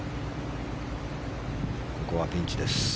ここはピンチです。